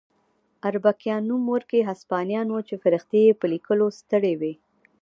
اربکیان نوم ورکي سپاهیان وو چې فرښتې یې په لیکلو ستړې وي.